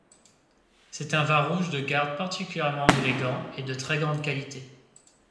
C'est un vin rouge de garde particulièrement élégant et de très grande qualité.